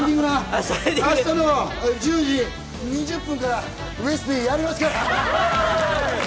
明日の１０時２０分からウエスＰやりますから。